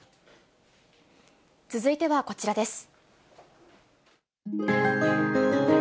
続いてはこちらです。